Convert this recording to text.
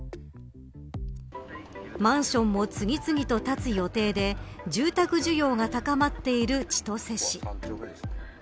マンションも次々と建つ予定で住宅需要が高まっている千歳市。